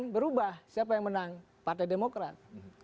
dua ribu sembilan berubah siapa yang menang partai demokrat